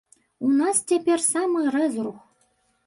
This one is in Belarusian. У нас цяпер самы рэзрух.